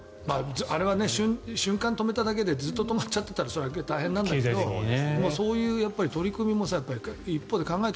あれは瞬間止めただけでずっと止まっちゃっていたら大変なんだけどそういう取り組みも一方で考えて。